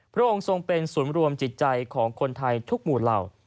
พระองค์ทรงเป็นศูนย์รวมจิตใจของคนไทยทุกหมู่เหล่า